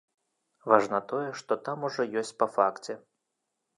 Важна тое, што там ужо ёсць па факце.